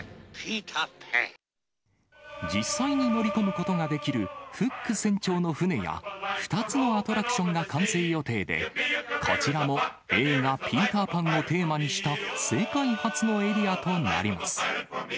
実際に乗り込むことができるフック船長の船や、２つのアトラクションが完成予定で、こちらも映画、ピーター・パンをテーマにした世界初のエリアとなります。